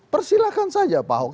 persilahkan saja pak ahok